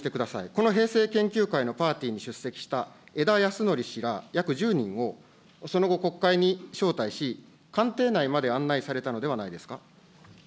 この平成研究会のパーティーに出席したえだやすのり氏が、約１０人をその後、国会に招待し、官邸内まで案内されたのではないですか。